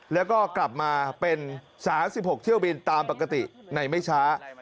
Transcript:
แล้วก็กลับมาเป็น๓๖เที่ยวบินตามปกติในไม่ช้า